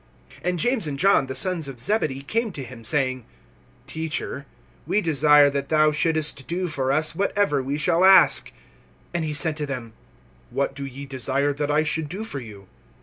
(35)And James and John, the sons of Zebedee, come to him saying: Teacher, we desire that thou shouldst do for us whatever we shall ask. (36)And he said to them: What do ye desire that I should do for you?